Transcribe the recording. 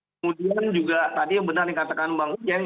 kemudian juga tadi yang benar yang dikatakan bang uceng